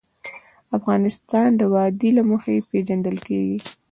افغانستان د وادي له مخې پېژندل کېږي.